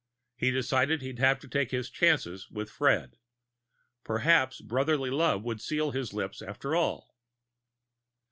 He decided he'd have to take his chances with Fred. Perhaps brotherly love would seal his lips after all.